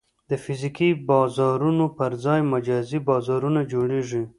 د فزیکي بازارونو پر ځای مجازي بازارونه جوړېږي.